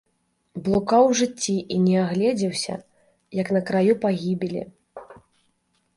Блукаў у жыцці і не агледзеўся, як на краю пагібелі!